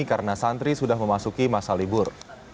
karena santri sudah memasuki masa libur